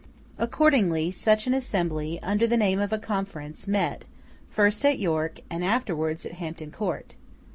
Accordingly, such an assembly, under the name of a conference, met, first at York, and afterwards at Hampton Court.